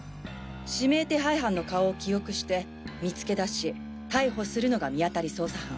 指名手配犯の顔を記憶して見つけ出し逮捕するのが見当たり捜査班。